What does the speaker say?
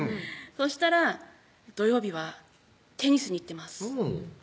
そしたら「土曜日はテニスに行ってます」